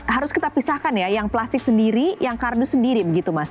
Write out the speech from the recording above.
harus kita pisahkan ya yang plastik sendiri yang kardus sendiri begitu mas